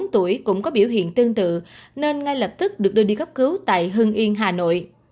bốn tuổi cũng có biểu hiện tương tự nên ngay lập tức được đưa đi cấp cứu tại hương yên hà nội